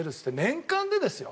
年間でですよ？